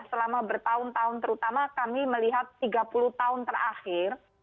selama bertahun tahun terutama kami melihat tiga puluh tahun terakhir